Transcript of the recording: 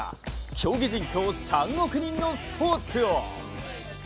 競技人口３億人のスポーツを。